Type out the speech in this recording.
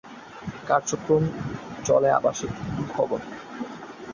কার্যক্রম চলে আবাসিক ভবনে।